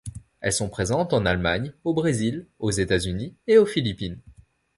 Elles sont présentes en Allemagne, au Brésil, auxÉtats-Unis et aux Philippines.